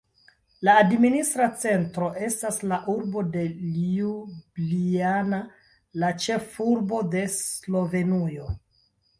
La administra centro estas la urbo de Ljubljana, la ĉefurbo de Slovenujo.